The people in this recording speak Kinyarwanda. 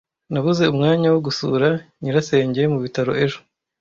Nabuze umwanya wo gusura nyirasenge mu bitaro ejo.